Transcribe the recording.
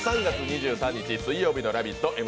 ３月２３日水曜日の「ラヴィット！」